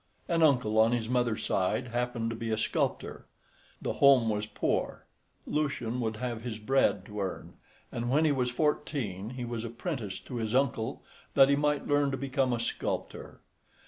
An uncle on his mother's side happened to be a sculptor. The home was poor, Lucian would have his bread to earn, and when he was fourteen he was apprenticed to his uncle that he might learn to become a sculptor.